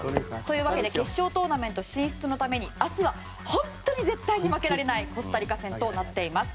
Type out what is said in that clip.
決勝トーナメント進出のために明日は本当に絶対に負けられないコスタリカ戦となっています。